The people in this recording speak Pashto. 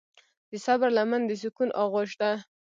د صبر لمن د سکون آغوش ده.